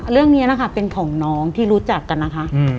เรื่องนี้นะคะเป็นของน้องที่รู้จักกันนะคะ